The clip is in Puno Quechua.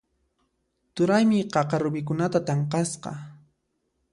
Turaymi qaqa rumikunata tanqasqa.